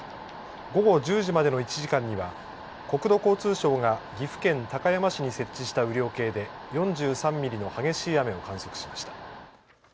午後１０時までの１時間には国土交通省が岐阜県高山市に設置した雨量計で４３ミリの激しい雨を観測しました。